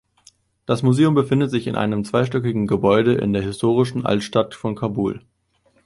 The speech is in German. Das Museum befindet sich in einem zweistöckigen Gebäude in der historischen Altstadt von Kabul.